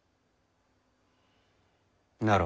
なら